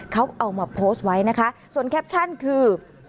เขาเอามาโพสต์ไว้นะคะส่วนแคปชั่นคือ